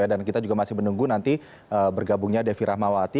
dan kita juga masih menunggu nanti bergabungnya devi rahmawati